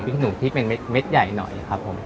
พริกขี้หนูที่เป็นเม็ดใหญ่หน่อยครับผม